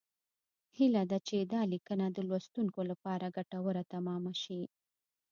هیله ده چې دا لیکنه د لوستونکو لپاره ګټوره تمامه شي